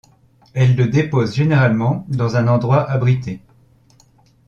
Elle le dépose généralement dans un endroit abrité.